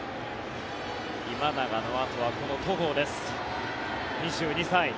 今永のあとはこの戸郷です、２２歳。